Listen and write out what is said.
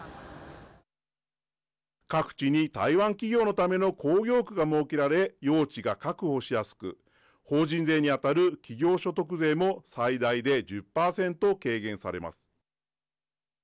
各地に台湾企業のための工業区が設けられ用地が確保しやすく法人税に当たる企業所得税も最大で１０％軽減されます。